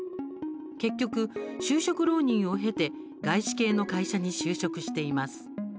結局、就職浪人を経て外資系の会社に就職しています。